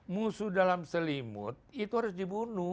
musuh dalam selimut itu harus dibunuh